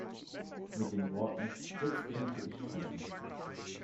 Mit den Worten „Jetzt könnte ich sprechen!